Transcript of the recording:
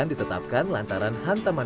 yang ditetapkan lantaran hantaman